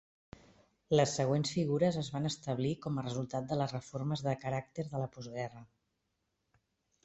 Les següents figures es van establir com a resultat de les reformes de caràcter de la postguerra.